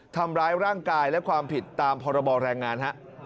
ทำร้ายร่างกายและความผิดตามพรบแรงงานฮะ